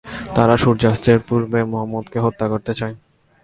তারা সূর্যাস্তের পূর্বেই মুহাম্মাদকে হত্যা করতে চায়।